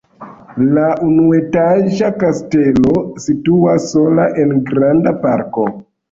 La unuetaĝa kastelo situas sola en granda parko.